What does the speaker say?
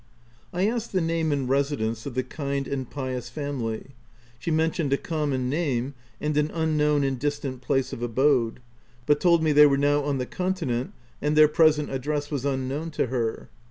I asked the name and residence of the kind and pious family. She mentioned a common name, and an unknown and distant place of abode, but told me they were now on the Con tinent, and their present address was unknown to her.